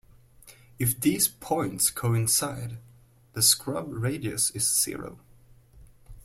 If these points coincide, the scrub radius is zero.